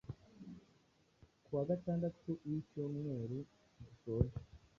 kuwa gatandatu w’icyumweru dusoje